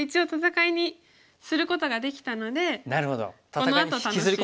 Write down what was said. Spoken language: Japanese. このあと楽しい。